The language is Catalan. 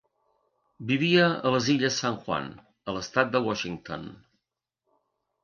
Vivia a les illes San Juan a l'estat de Washington.